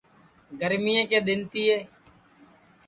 گرمئیں کے دِؔن تِیے